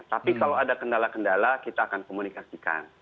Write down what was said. tapi kalau ada kendala kendala kita akan komunikasikan